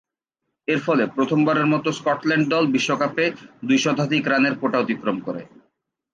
এরফলে প্রথমবারের মতো স্কটল্যান্ড দল বিশ্বকাপে দুই শতাধিক রানের কোটা অতিক্রম করে।